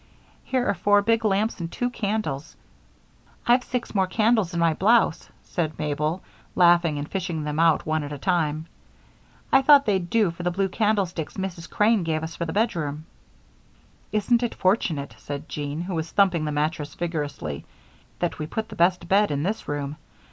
Here are four big lamps and two candles " "I've six more candles in my blouse," said Mabel, laughing and fishing them out one at a time. "I thought they'd do for the blue candlesticks Mrs. Crane gave us for the bedroom." "Isn't it fortunate," said Jean, who was thumping the mattress vigorously, "that we put the best bed in this room?